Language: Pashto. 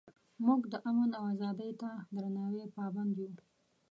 موږ د امن او ازادۍ ته درناوي پابند یو.